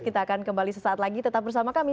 kita akan kembali sesaat lagi tetap bersama kami